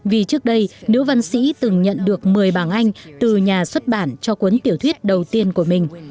vì trước đây nữ văn sĩ từng nhận được một mươi bảng anh từ nhà xuất bản cho cuốn tiểu thuyết đầu tiên của mình